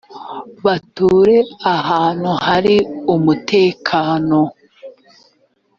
bature ahantu hari umutekano